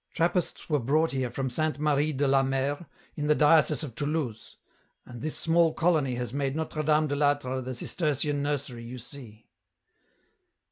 Trappists were brought here from Sainte Marie de la Mer, in the diocese of Toulouse, and this small colony has made Notre Dame de "Atre the Cistercian nursery you see.